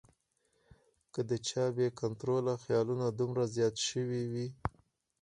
کۀ د چا بې کنټروله خیالونه دومره زيات شوي وي